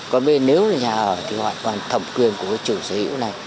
còn bây giờ nếu là nhà ở thì hoàn toàn thẩm quyền của cái chủ sở hữu này